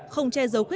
không che dấu khuyến